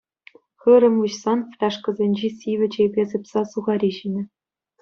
Хырӑм выҫсан фляжкӑсенчи сивӗ чейпе сыпса сухари ҫинӗ.